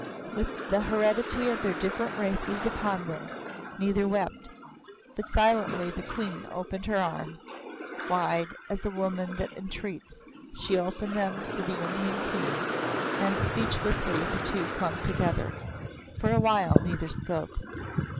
With the heredity of their different races upon them, neither wept. But silently the Queen opened her arms; wide as a woman that entreats she opened them to the Indian Queen, and speechlessly the two clung together. For a while neither spoke.